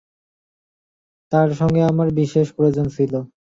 তাঁর সঙ্গে আমার বিশেষ প্রয়োজন ছিল।